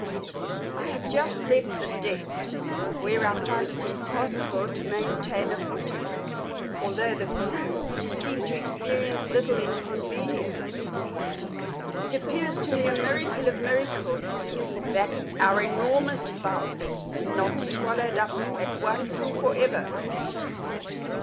I have just left the deck, where I find it impossible to maintain a footing, although the crew seem to experience little inconvenience. It appears to me a miracle of miracles that our enormous bulk is not swallowed up at once and forever.